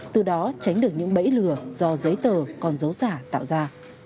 từ đó tránh được những bẫy lừa do giấy tờ còn dấu giả tạo ra